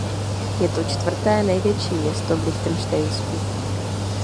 Je to čtvrté největší město v Lichtenštejnsku.